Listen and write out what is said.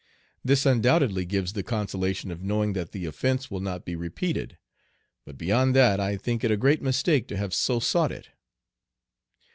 This undoubtedly gives the consolation of knowing that the offence will not be repeated, but beyond that I think it a great mistake to have so sought it.